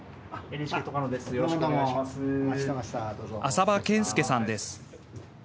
浅葉健介さんです。